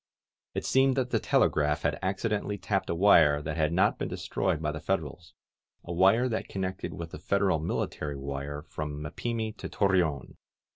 It seemed that the telegraph had acci dentally tapped a wire that had not been destroyed by the Federals — ^a wire that connected with the Federal military wire from Mapimi to Torreon.